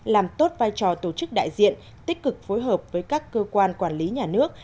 làm tốt vai trò tổ chức đại diện tích cực phối hợp với các cơ quan quản lý nhà nước